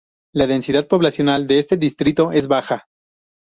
La densidad poblacional de este distrito es baja.